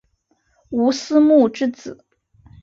吴思穆之子。